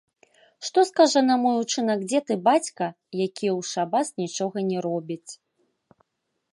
Што скажа на мой учынак дзед і бацька, якія ў шабас нічога не робяць?